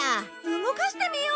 動かしてみよう。